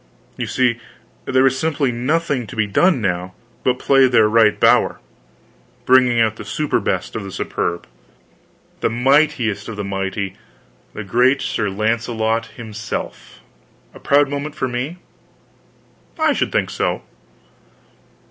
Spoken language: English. So you see there was simply nothing to be done now, but play their right bower bring out the superbest of the superb, the mightiest of the mighty, the great Sir Launcelot himself! A proud moment for me? I should think so.